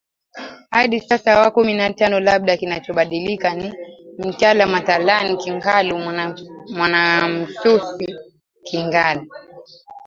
hadi sasa wa kumi na tano labda kinachobadilika ni Mtala Mathalani Kingalu Mwanamsumi Kingalu